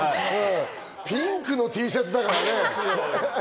ピンクのＴシャツだからね。